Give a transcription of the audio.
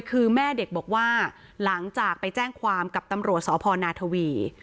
คือแม่เด็กบอกว่าหลังจากไปแจ้งความกับตำรวจสพนาทวี